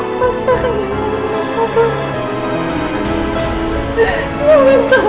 gue pasti akan nyayangin lu terus